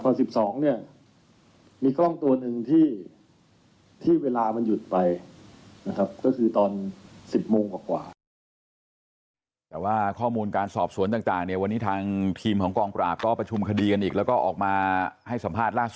พอ๑๒เนี่ยมีกล้องตัวนึงที่ไม่ได้ใช้งานนะครับ